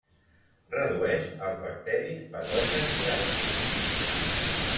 Redueix els bacteris patògens gàstrics.